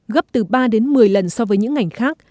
gấp từ ba đến một mươi lần so với những ngành khác